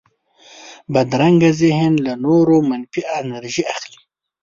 بدرنګه ذهن له نورو منفي انرژي اخلي